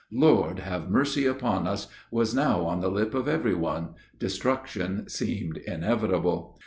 "Lord have mercy upon us!" was now on the lip of every one destruction seemed inevitable.